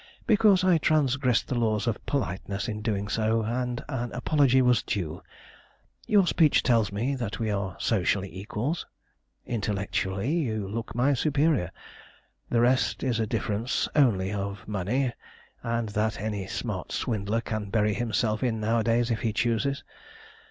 "Because I transgressed the laws of politeness in doing so, and an apology was due. Your speech tells me that we are socially equals. Intellectually you look my superior. The rest is a difference only of money, and that any smart swindler can bury himself in nowadays if he chooses.